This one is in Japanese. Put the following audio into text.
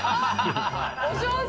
お上手！